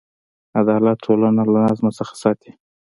عدالت ټولنه له ظلم څخه ساتي.